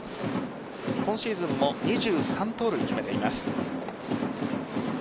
今シーズンも２３盗塁を決めています。